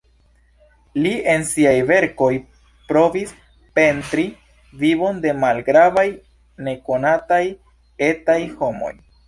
Li en siaj verkoj provis pentri vivon de malgravaj nekonataj "etaj" homoj.